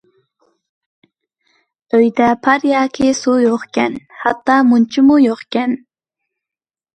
ئۆيدە پار ياكى سۇ يوقكەن ھەتتا مۇنچىمۇ يوقكەن.